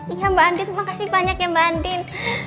iya mbak andien makasih banyak ya mbak andien